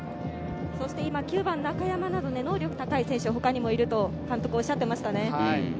９番・中山など、能力の高い選手が他にもいると監督がおっしゃってましたね。